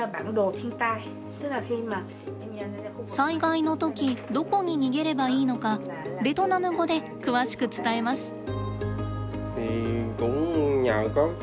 災害の時どこに逃げればいいのかベトナム語で詳しく伝えます。